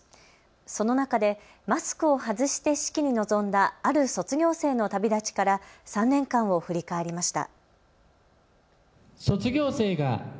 その中でマスクを外して式に臨んだある卒業生の旅立ちから３年間を振り返りました。